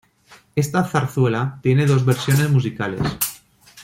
Esta zarzuela tiene dos versiones musicales.